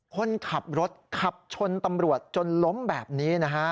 คนขับรถขับชนตำรวจจนล้มแบบนี้นะฮะ